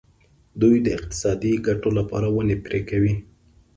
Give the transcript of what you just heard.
دوی د اقتصادي ګټو لپاره ونې پرې کوي.